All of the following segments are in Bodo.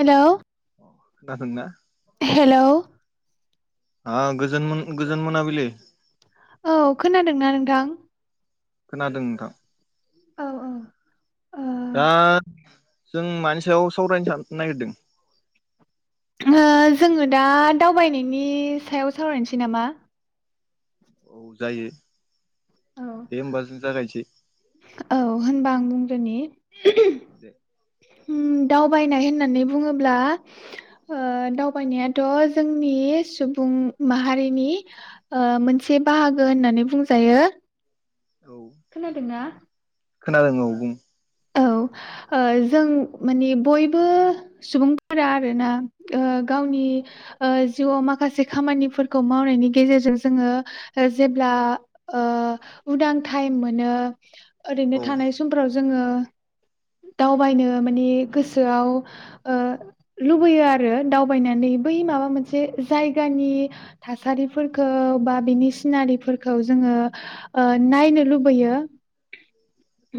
हेल' खोनादोंना हेल' आ गोजोन गोजोन मोनाबिलि औ खोनादोंना नोंथां खोनादों नोंथां औ औ ओ दा जों मानि सायाव सावरायनो नागिरदों जोङो दा दावबायनायनि सायाव सावरायनोसै नामा औ जायो औ दे होमबा जों जागायनोसै औ होनबा आं बुं दोनि दे होम दावबायनाय होननानै बुङोब्ला दावबायनायाथ' जोंनि सुबुं माहारिनि मोनसे बाहागो होननानै बुंजायो औ खोनादोंना? खोनादों औ बुं औ ओह जों माने बयबो सुबुंफोरा आरोना ओह गावनि ओह जिउआव माखासे खामानिफोरखौ मावनायनि गेजेरजों जोङो दा जेब्ला औ ओह उदां टाइम मोनो औ ओरैनो थानाय समफोराव जोङो दावबायनो माने गोसोआव ओह लुबैयो आरो दावबायनानै बै माबा मोनसे जायगानि थासारिफोरखौ बा बिनि सिनारिफोरखौ जोङो ओह नायनो लुबैयो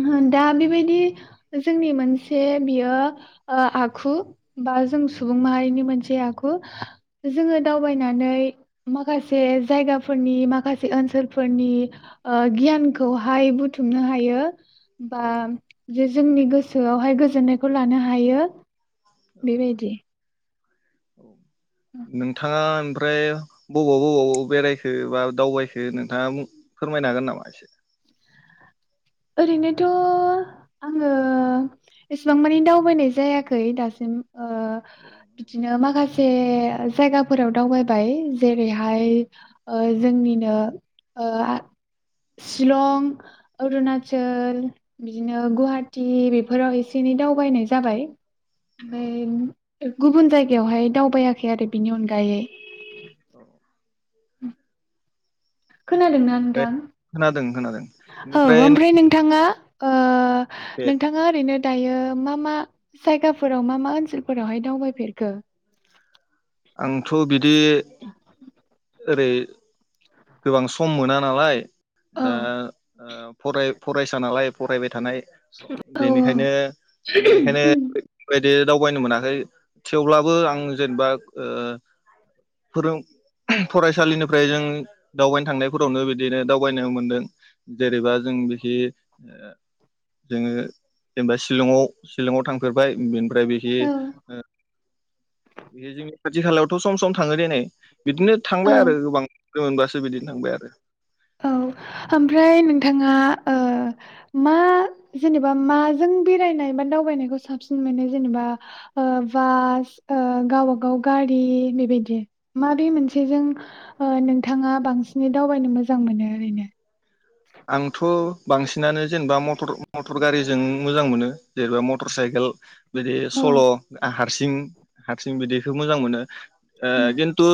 हो दा बेबायदि जोंनि मोनसे बियो ओ आखु बा जों सुबुं माहारिनि मोनसे आखु जोङो दावबायनानै माखासे जायगाफोरनि माखासे ओनसोलफोरनि ओ गियानखौहाय बुथुमनो हायो। बा औ जे जोंनि गोसोआवहाय गोजोननायखौ लानो हायो औ बेबायदि। औ। नोंथाङा ओमफ्राय बबाव -बबावब बेरायखो बा दावबायखो नोंथाङा फोरमायनो हागोन? नामा एसे ओरैनोथ' आङो एसेबां मानि दावबायनाय जायाखै दासिम ओ औ नंगौ बिदिनो नामा? माखासे जायगाफोराव दावबायबाय जेरैहाय ओ जोंनिनो ओ शिलं, अरुनाचल औ बिदिनो गुवाहाटी बेफोराव एसे एनै दावबायनाय जाबाय औ ओमफाय गुबुन जायगायावहाय दावबायाखै आरो बिनि अनगायै। औ ओम। खोनादोंना ओमफ्राय नोंथां? खोनादों खोनादों औ बेनिफ्राय ओमफ्राय नोंथाङा ओ नोंथाङा ओरैनो दायो मा मा जायगाफोराव मा मा ओनसोलफोरावहाय दावबायफेरखो? आंथ' बिदि ओरै गोबां सम मोना नालाय औ दा ओ फराय फरायसा नालाय फरायबाय थानाय औ बेनिखायनो बे बायदि दावबायनो मोनाखै थेवब्लाबो आं जेनेबा ओ फरायसालिनिफ्राय जों दावबायनो थांनायफोरावनो बिदिनो दावबायनो मोनदों जेरैबा जों बिथिं ओ जोङो जेनेबा शिलंआव थांफेरबाय ओमफ्राय औ बेथिं खाथि खाालायावथ' सम सम थाङो दे नै। बिदिनो थांबाय औ आरो गोबां बारसो बिदिनो थांबाय आरो। औ ओमफ्राय नोंथाङा ओ मा जेनेबा माजों बेरायनाय बा दावबायनायखौ साबसिन मोनो जेनेबा ओ बास ओ गावबागाव गारि बेबायदि माबे मोनसेजों ओ नोंथाङा बांसिनै दावबायनो मो? मोजां मोनो ओरैनो? आंथ' बांसिनानो जेनेबा मटर- मटर गारिजों मोजां मोनो जेनेबा मटर साइकेल बिदि औ सल' हारसिं- हारसिं बिदैखौ मोजां मोनो।। ओ उम खिनथु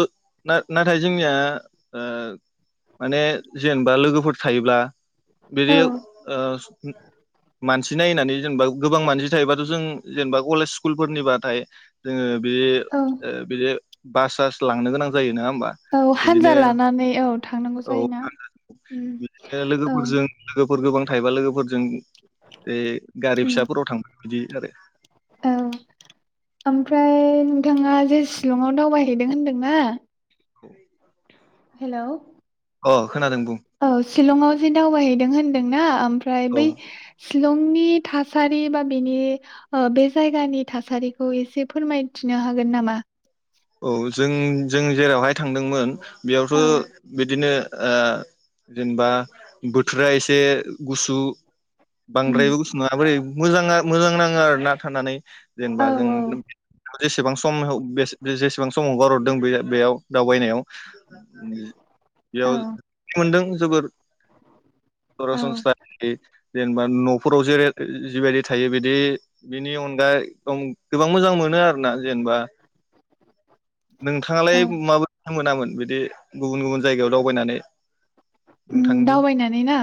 नाथाय जोंनिया ओ माने जेनेबा लोगोफोर थायोब्ला औ बिदि ओ मानसि नायनानै जेनेबा गोबां मानसि थायोबाथ' जों जेनेबा कलेज स्कुलफोरनिबाथाय जोङो बिदि औ ओ बिदि बाससास लांनो गोनां जायो नों औ हानजा लानानै औ थांनांगौ जायोना इदिनो औ लोगोफोरजों लोगोफोर गोबां थायोबा लोगोफोरजों ए गारि उम फिसाफोराव थांबाय बिदि आरो औ ओमफ्राय नोंथाङा जे शिलंआव दावबायहैदों होनदोंना औ हेल' अ बुं औ शिलंआव जे दावबायै होनदोंना ओ फ्राय औ बै शलंनि थासारि बा बेनि ओ बे जायगानि थासारिखौ एसे फोरमायथिनो हागोन नामा औ जों जों जेरावहाय थांदोंमोन बेयावथ' औ बिदिनो ओ जेनेबा बोथोरा एसे गुसु उम बांद्रायबो गुसु नङाबो मोजाङा मोजां नाङो आरो ना थानानै जेनेबा औ जों जेसेबां सम बे जे-जे जेसेबां समावगारहरदों बे बेयाव दावबायनायाव उम औ बेयाव खुदों जोबोर औ सरासनस्रायै जेनेबा न'फोराव जेरै जिबायदि थायो बिदि बिनि अनगा एदम गोबां मोजां मोनो आरोना जेनेबा। नोंथाङालाय औ माबो मोनामोन? बिदि गुबुन गुबुन जायगायाव दावबायनानै। ओम नोंथांनि दावबायनानै ना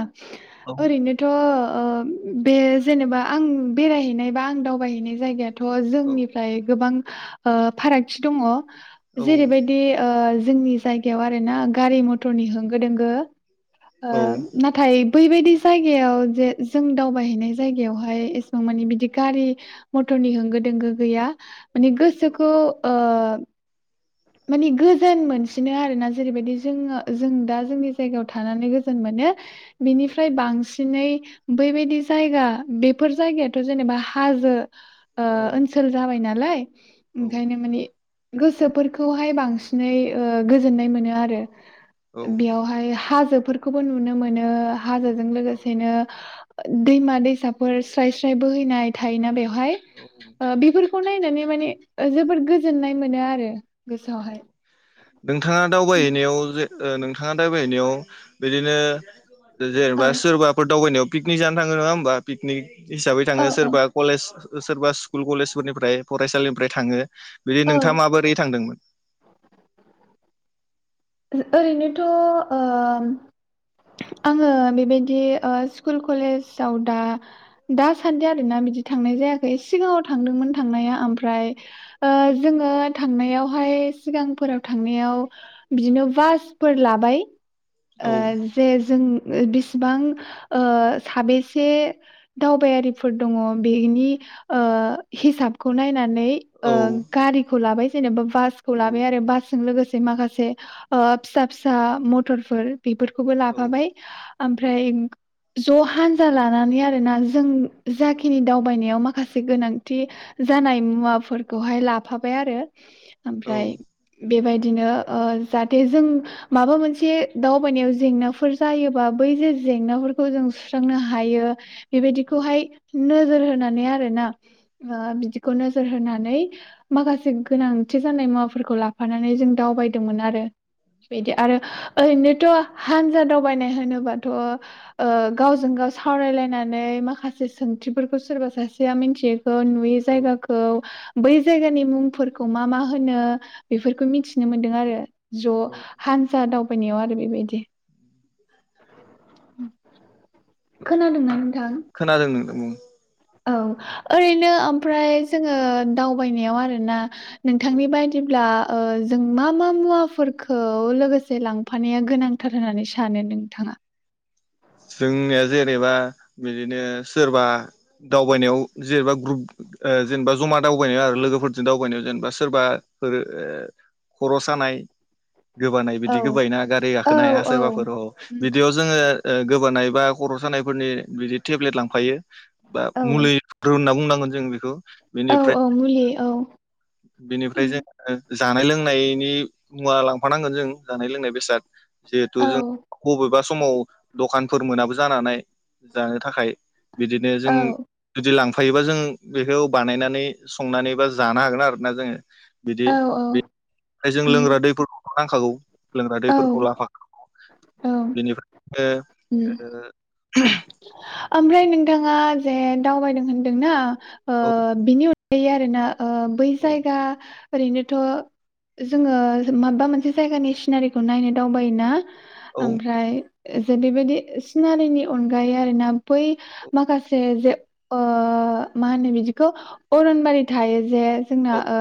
औ ओरैनोथ' ओ बे जेनेबा आं। बेरायहैनाय बा आं दावबायहैनाय जायगा थ' औ जोंनिफ्राय गोबां। ओ फारागथि दङ। औ जेरै बायदि ओ। जोंनि जायगायाव आरो ना गारि मथरनि होंगो दोंगो। ओ औ नाथाय। बैबायदि जायगायाव जे जों दावबायहैनाय जायगायावहाय एसेबां मानि बिदि गारि मथरनि होंगो दोंगो गैया। मानि गोसोखो ओ माने गोजोन मोनसिनो आरोना जेरैबायदि जोङो जों दा जोंनि जायगायाव थानानै गोजोन मोनो बिनिफ्राय बांसि नै बैबायदि जायगा बेफोर जायगायाथ' जेनेबा हाजो ओ औ ओनसोल जाबायना लाय। ओंखायनो माने गोसोफोरखौहाय बांसिनै ओ गोजोननाय मोनो आरो। औ बेयावहाय हा हाजोफोरखौबो नुनो मोनो हाजोजों औ लोगोसेनो दैमा दैसाफोर स्राय स्राय बोहैनाय थायोना बेयाव हाय ओ ओ बेफोर खौ नायनानै माने जोबोर गोजोननाय मोनो आरो। औ गोसोआवहाय। नोंथाङा दावबायहैनायाव जे ओ नोंथाङा दाबायहनायाव बिदिनो औ जेनेबा सोरबाफोर दावबायनायाव पिकनि जानो थाङो नङा होमबा पिकनिक? हिसाबै औ थाङो औ सोरबा कलेज सोरबा स्कुल कलेजफोरनिफ्राय फरायसालिनिफ्राय थाङो। बिदि औ नोंथाङा माबोरै थांदोंमोन? ओ ओरैनोथ' ओ आङो बेबायदि ओ स्कुल कलेजाव दा दासान्दि आरोना बिदि थांनाय जायाखै सिगाङाव थांदोंमोन थांनाया ओमफ्राय ओ जोङो थांनायावहाय सिगांफोराव थांनायाव बिदिनो बासफोर लाबाय। ओ औ। जे जों बिसेबां ओ साबेसे दावबायारिफोर दङ बेनि ओ हिसाबखौ नायना नै ओ औ गारिखौ लाबाय। जेनेबा बासखौ औ लाबाय आरो बासजों लोगोसे माखासे ओ फिसा फिसा मथरफोर बिफोर खौबो औ लाफाबाय ओमफ्राय ज' हान्जा लानानै आरोना जों जाखिनि दावबायनायाव मा माखासे गोनांथि जानाय मुवाफोरखौहाय लाफाबाय आरो। ओमफ्राय बेबाय बिदिनो ओ जाहाथे जों माबा मोनसे दावबायनायाव जेंनाफोर जायोबा बै जे जेंनाफोरखौ जों सुस्रांनो हायो। बेबायदिखौहाय नोजोर होनानै आरोना ओ बिदिखौ नोजोर होनानै माखासे गोनांथि जानाय मुवाफोरखौ लाफानानै जों दावबायदोंमोन आरो बिदि औ आरो ओरैनोथ' हानजा दावबायनाय होनोबाथ' ओ गावजों गाव सावरायलायनानै माखासे सोंथिफोरखौ सोरबा सासेया मिन्थि खो नुयै औ औ जायगाखौ बै बे जायगानि मुंफोरखौ मा मा होनो बेफोरखौ मिथिनो मोन्दों आरो ज' औ हानजा दावबायनायाव आरो बेबायदि उम खोनादों ना? खोनादों नोंदों बुं [unintelligible] औ ओरैनो ओमफ्राय जोङो दावबायनायाव आरोना औ नोंथांनि बायदिब्ला ओ जों मा मा मुवाफोरखौ लोगोसे लांफानाया गोनांथार होननानै सानो नोंथाङा? जोंनिया जेनेबा बिदिनो सोरबा दावबायनायाव जेनेबा ग्रुप ओ जेनेबा जमा दावबायनायाव आरो लोगोफोरजों दावबायनायाव जेनेबा सोरबा ओ खर' सानाय गोबानाय बिदि औ गोबाय ना गारि औ गाखोनो हाया औ सोरबाफोर अ उम बिदियाव जोङो ओ गोबानाय बा खर' सानायफोरनि बिदि टेब्लेट लांफायो बा औ मुलिफोर होनना बुंनांगोन जों बेखौ औ बेनिफ्राय औ मुलि औ बेनिफ्राय उम जोङो जानाय लोंनायनि मुवा लांफानांगोन जों जानाय लोंनाय बेसाद जिहेथु औ जों बबेबा समाव दखानफोर मोनाबो जानानै हानाय जानो थाखाय बिदिनो जों औ जुदि लांफ फायोबा जों बेखौ बानायनानै संनानै बा जानो हागोन आरोना जोंङो बिदि औ औ बि बे जों उम लोंग्रा दैफोरखौ नांखागौ लोंग्रा औ दैफोरखौ लाफा औ बेनिफ्राय उम ओ ओ [unintelligible] ओमफ्राय नोंथांङा जे दावबायदों होनदों ना ओ औ बिनि उन बे आरो ना। ओ बै औ जायगा ओरैनोथ' जोंङो माबा मोनसे जायगानि सिनारिखौ नायनो दावबायोना औ आमफ्राय जेरैबायदि सिनारिनि अनगा अनगायै आरोना बै माखासे जे ओ मा होनो बादिखौ अरन बारि थायो। जे जोंना ओ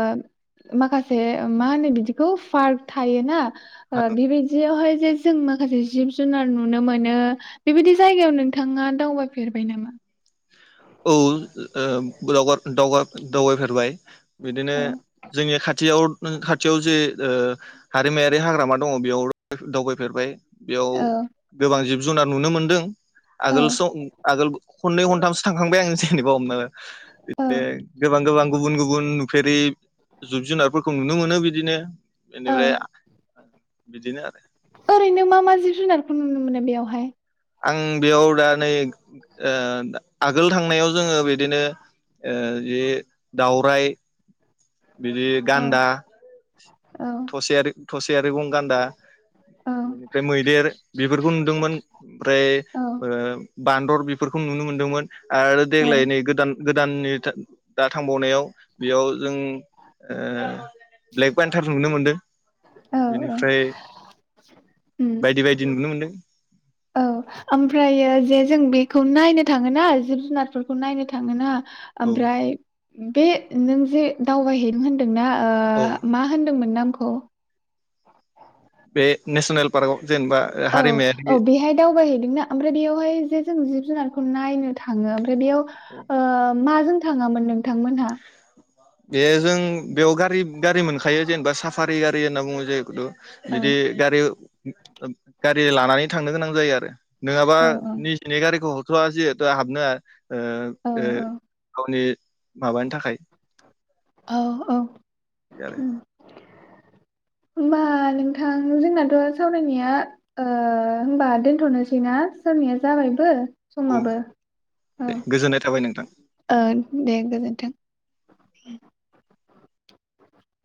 माखासे मा होनो बिदिखौ पार्क थायोना। ओ बिब्बादियावहाय जे जों माखासे जिब जुनार नुनो मोनो बेबायदि जायगायावनो नोंथाङा दावबायफेरबाय नामा? औ ओ दावगार दावगा दावगायफेरबाय। बिदिनो औ जोंनि खाथियाव नों खाथियाव जे ओ हारिमायारि हाग्रामा दंङ बेयाव दावबायफेरबाय बेयाव औ गोबां जिब जु जुनार नुनो मोन्दों। आगोल स औ आगोल खनै खनथामसो थांखांबाय आं जेनेबा हमना ला बे गोबां गोबां गुबुन गुबुन नुफेरि जिब जुनारफोरखौ नुनो मोनो बिदिनो। औ बेनिफ्राय बिदिनो आरो ओरैनो मा-मा जिब जुनारखौ नुनो मोनो बेवहाय आं बेयाव दा नै ओ आगोल थांनायाव जोङो बिदिनो ओ जि दावराय बिदि औ गान्दा औ थसे आरो थसे मैगं गान्दा औ बेनिफ्राय मैदेर बेफोरखौ नुदोंमोन ओमफ्राय औ ओ बान्दर बेफोरखौ नुनो मोनदोंमोन। आरो औ देग्लाय नै गोदान गोदाननि था दा थांबावनायाव बेयाव जों ओ ब्लेक बेनथेल नुनो मोनदों औ बेनिफ्राय उम बायदि बायदि नुनो मोनदों। औ ओमफ्रायो जे जों बेखौ नायनो थाङोना जिब जुनारफोरखौ नायनो थाङोना औ ओमफ्राय बे नों जे दावबायहैनो होनदोंना औ ओ मा होनदोंमोन नोम खौ बे नेसनेल पारगाव औ-औ बेहाय दावबायहैदोंना ओमफ्राय बेयावहाय जे जों जिब जुनार खौ नायनो थाङो जे बेयाव औ ओ माजों थाङामोन नोंथांमोनहा बे जों बेयाव गारि गारि मोनखायो जेनेबा साफारि गारि होनना बुङो जेहेखुथु औ बिदि गारि ओ गारि लानानै थांनो गोनां जायो आरो नोङाबा औ निजिनि गारिखौ हर होया जिहेथु हाबनो औ ओ-ओ गावनि माबानि थाखाय औ-औ दि आरो होमबा नोंथां जोंनाथ' सावरायनाया ओ होमबा दोनथ'नोसैना सावराया जाबायबो औ समाबो दे ओ गोजोननाय थाबाय नोंथां [inaudible] ओ दे गोजोनथों